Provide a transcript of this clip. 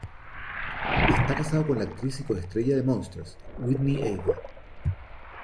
Está casado con la actriz y co-estrella de Monsters, Whitney Able".